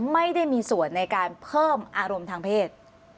ไม่ได้มีส่วนในการเพิ่มอารมณ์ทางเพศ